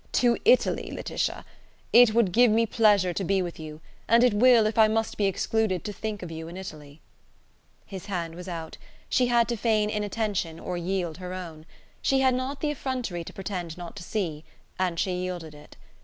To Italy, Laetitia! It would give me pleasure to be with you, and it will, if I must be excluded, to think of you in Italy." His hand was out. She had to feign inattention or yield her own. She had not the effrontery to pretend not to see, and she yielded it.